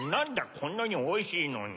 こんなにおいしいのに。